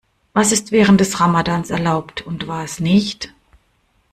Was ist während des Ramadans erlaubt und was nicht?